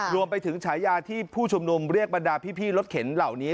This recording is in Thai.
ฉายาที่ผู้ชุมนุมเรียกบรรดาพี่รถเข็นเหล่านี้